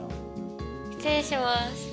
失礼します。